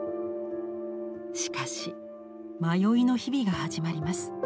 しかし迷いの日々が始まります。